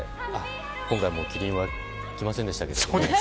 今回もキリンは来ませんでしたけど。